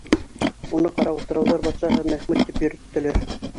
Уны Ҡара утрауҙар батшаһы Мәхмүт тип йөрөттөләр.